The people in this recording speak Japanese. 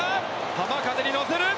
浜風に乗せる！